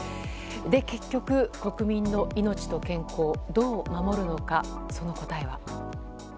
結局、国民の命と健康をどう守るのか、その答えは。